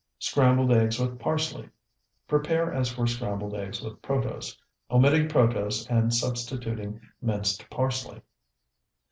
SCRAMBLED EGGS WITH PARSLEY Prepare as for scrambled eggs with protose, omitting protose and substituting minced parsley.